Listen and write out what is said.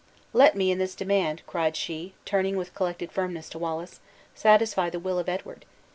'" "Let me in this demand," cried she, turning with collected firmness to Wallace, "satisfy the will of Edward.